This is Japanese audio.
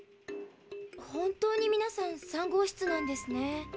本当にみなさん３号室なんですね。